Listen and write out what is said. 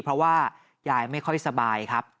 เพราะว่ายายไม่ค่อยสบายครับ